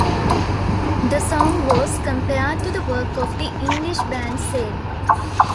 The song was compared to the work of the English band Sade.